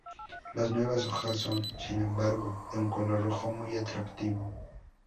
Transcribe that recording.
Las nuevas hojas son, sin embargo, de un color rojo muy atractivo.